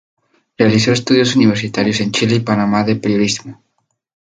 Realizó estudios universitarios en Chile y Panamá de periodismo.